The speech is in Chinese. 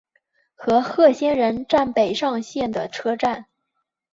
和贺仙人站北上线的车站。